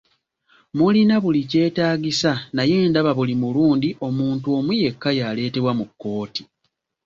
Mulina buli kyetaagisa naye ndaba buli mulundi omuntu omu yekka y'aleetebwa mu kkooti!